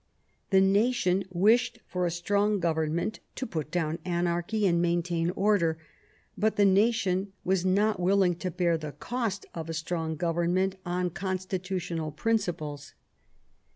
The nation wished for a strong government to put down anarchy and main tain order; but the nation was not willing to bear the cost of a strong government on constitutional princi ples.